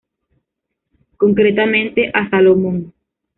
Concretamente a Salomón.